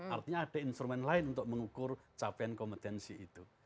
artinya ada instrumen lain untuk mengukur capaian kompetensi itu